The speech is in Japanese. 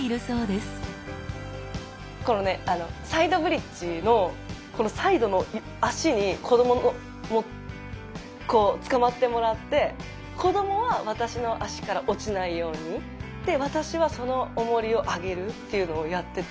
このサイドブリッジのこのサイドの脚に子どもにこうつかまってもらって子どもは私の脚から落ちないように私はそのおもりを上げるっていうのをやってて。